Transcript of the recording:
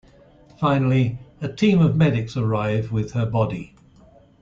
Finally a team of medics arrive with her body.